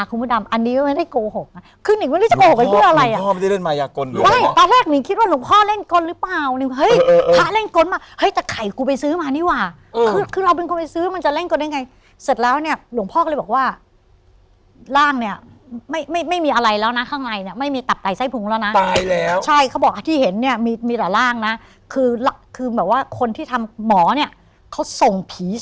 หนึ่งคิดว่าหลวงพ่อเล่นก้นหรือเปล่าเนี่ยเฮ้ยพาเล่นก้นมาเฮ้ยแต่ไข่กูไปซื้อมานี่ว่ะคือเราเป็นคนไปซื้อมันจะเล่นก้นได้ไงเสร็จแล้วเนี่ยหลวงพ่อก็เลยบอกว่าร่างเนี่ยไม่มีอะไรแล้วนะข้างในเนี่ยไม่มีตับไตไส้พุงแล้วนะตายแล้วใช่เขาบอกที่เห็นเนี่ยมีแต่ร่างนะคือแบบว่าคนที่ทำหมอเนี่ยเขาส่งผีส